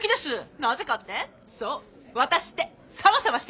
なぜかって？